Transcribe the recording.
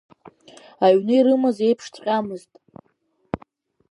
Аҩны ирымаз еиԥшҵәҟьамызт.